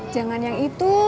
jangan yang itu